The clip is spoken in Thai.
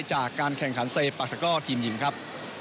จากการแข่งขันเศษปรากฏก็อดทีมยิ่มครับ